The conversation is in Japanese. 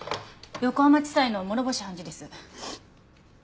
横浜地裁の諸星判事です。